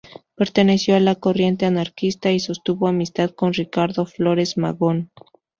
Perteneció a la corriente anarquista y sostuvo amistad con Ricardo Flores Magón.